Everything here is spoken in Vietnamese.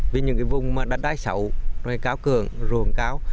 vì những vùng đất đáy sầu cao cường ruộng cao